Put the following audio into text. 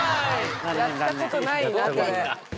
やったことないなこれ。